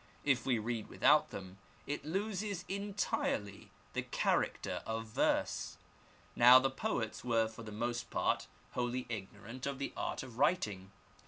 If read without them, it loses entirely the character of verse. Now, the poets were for the most part wholly ignorant of the art of writing.